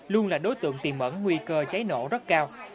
luôn là đối tượng tìm ẩn nguy cơ cháy nổ rất cao